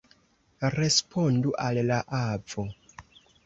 Respondu al la avo!